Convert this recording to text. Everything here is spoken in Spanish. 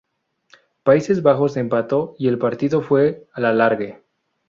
Países Bajos empató y el partido fue al alargue.